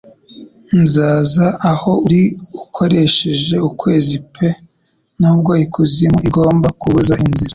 Nzaza aho uri ukoresheje ukwezi pe nubwo ikuzimu igomba kubuza inzira. "